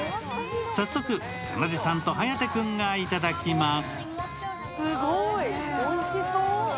早速かなでさんと颯君がいただきます。